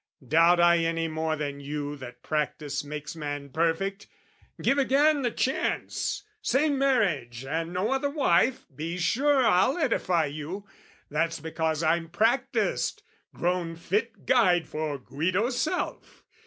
Doubt I any more than you That practice makes man perfect? Give again The chance, same marriage and no other wife, Be sure I'll edify you! That's because I'm practised, grown fit guide for Guido's self.